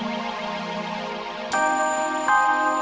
aduh gimana ya